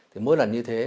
thì mỗi lần như thế